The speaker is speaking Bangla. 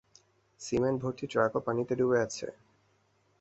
সিমেন্ট ভর্তি ট্রাকটিও পানিতে ডুবে আছে।